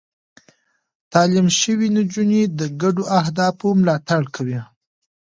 تعليم شوې نجونې د ګډو اهدافو ملاتړ کوي.